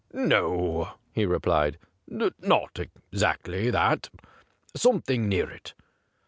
' No,' he replied, ' not exactly that, but something near it.